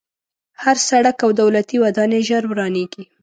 هر سړک او دولتي ودانۍ ژر ورانېږي.